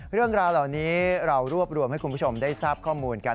เรื่องราวเหล่านี้เรารวบรวมให้คุณผู้ชมได้ทราบข้อมูลกัน